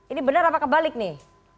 ini benar apa kebalik nih